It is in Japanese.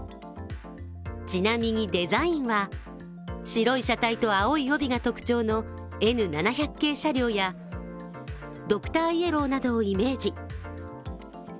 ちなみにデザインは白い車体と青い帯が特徴のＮ７００系車両や、ドクターイエローなどをイメージ。